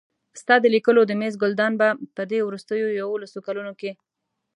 ستا د لیکلو د مېز ګلدان به په دې وروستیو یوولسو کلونو کې.